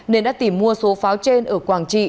nên đã tìm mua số pháo trên ở quảng trị